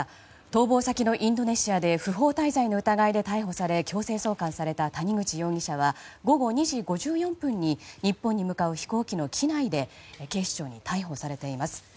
逃亡先のインドネシアで不法滞在の疑いで逮捕され強制送還された谷口容疑者は午後２時５４分に日本に向かう飛行機の機内で警視庁に逮捕されています。